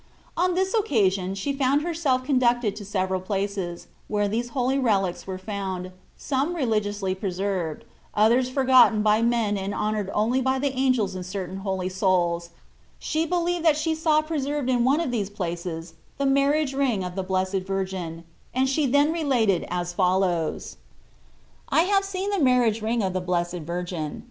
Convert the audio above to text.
As on this occasion she found herself conducted to several places, where these holy relics were found, some re ligiously preserved, others forgotten by men and honoured only by the angels or certain holy souls, she believed that she saw preserved in one of these places the marriage ring of the Blessed Virgin, and she then related as follows : I have seen the marriage ring of the Blessed Virgin.